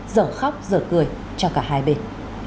giở khóc giở cười cho cả hai bên